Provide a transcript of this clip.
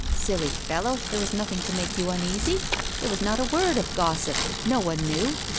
"Silly fellow, there was nothing to make you uneasy. There was not a word of gossip. No one knew.